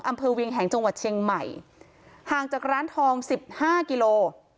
เวียงแห่งจังหวัดเชียงใหม่ห่างจากร้านทองสิบห้ากิโล